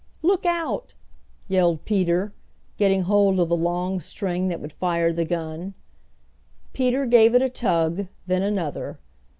"Look out!" yelled Peter, getting hold of the long string that would fire the gun. Peter gave it a tug, then another.